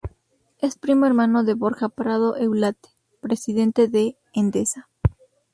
Es primo hermano de Borja Prado Eulate, presidente de Endesa.